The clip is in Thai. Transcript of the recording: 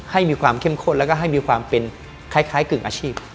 ให้มีความเข้มข้นแล้วก็ให้มีความเป็นคล้ายกึ่งอาชีพ